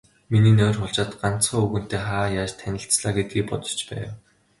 Миний нойр хулжаад, ганцхан, өвгөнтэй хаа яаж танилцлаа гэдгийг бодож байв.